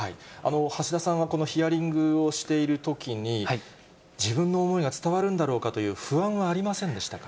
橋田さんはこのヒアリングをしているときに、自分の思いが伝わるんだろうかという不安はありませんでしたか。